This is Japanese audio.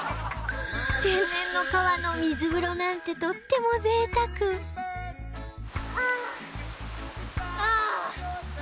天然の川の水風呂なんてとっても贅沢ああああー！